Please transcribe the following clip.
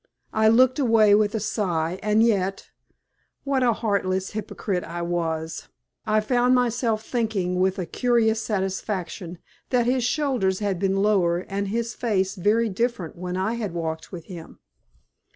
I looked away with a sigh, and yet what a heartless hypocrite I was. I found myself thinking with a curious satisfaction that his shoulders had been lower and his face very different when I had walked with him.